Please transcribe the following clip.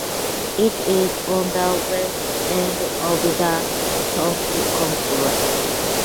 It is on the West end of the tomb complex.